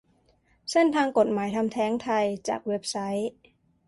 เส้นทางกฎหมายทำแท้งไทย จากเว็บไซค์